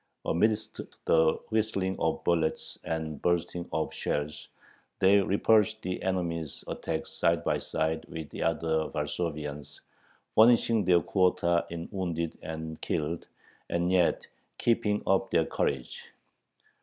Amidst the whistling of bullets and bursting of shells they repulsed the enemies' attacks side by side with the other Varsovians, furnishing their quota in wounded and killed, and yet keeping up their courage.